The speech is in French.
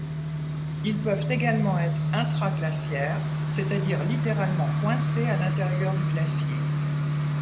Ils peuvent également être intra-glaciaire, c'est-à-dire, littéralement coincé à l'intérieur du glacier.